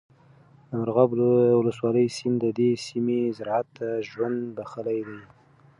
د مرغاب ولسوالۍ سیند د دې سیمې زراعت ته ژوند بخښلی دی.